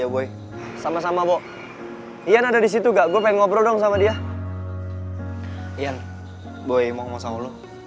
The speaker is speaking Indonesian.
ya boy sama sama bo ian ada di situ gak gue pengen ngobrol dong sama dia ian boy mau ngomong sama lu